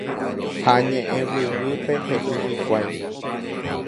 Ha ñe'ẽguyguýpe he'i hikuái.